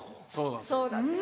そうなんです。